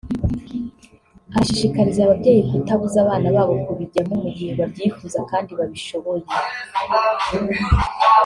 arashishikariza ababyeyi kutabuza abana babo kubijyamo mu gihe babyifuza kandi babishoboye